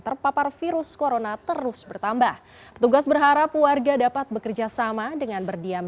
terpapar virus corona terus bertambah petugas berharap warga dapat bekerja sama dengan berdiam